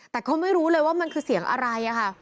แต่เขาไม่รู้เลยว่ามันคือเสียงอะไรค่ะ